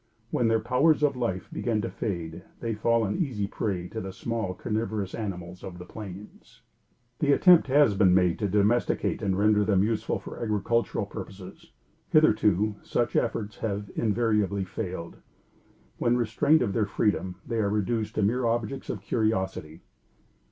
When their powers of life begin to fade, they fall an easy prey to the small, carnivorous animals of the plains. The attempt has been made to domesticate and render them useful for agricultural purposes. Hitherto such efforts have invariably failed. When restrained of their freedom, they are reduced to mere objects of curiosity.